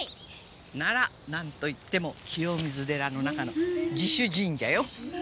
ならなんといっても清水寺の中の地主神社よ。